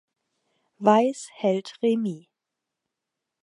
Weiß hält Remis.